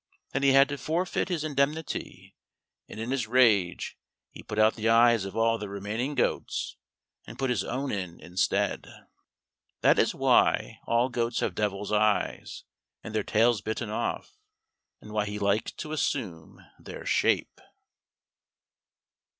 Then he had to forfeit his indemnity, and in his rage he put out the eyes of all the remaining goats, and put his own in instead. This is why all goats have devil's eyes, and their tails bitten off, and why he likes to assume their shape.